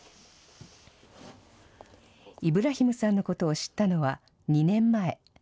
イブラヒムさんのことを知ったのは、２年前。